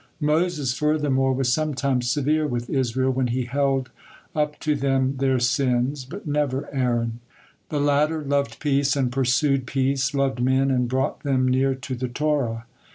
Moses, furthermore, was sometimes severe with Israel when he held up to them their sins, but never Aaron. The latter "loved peace and pursued peace, loved men and brought them near to the Torah.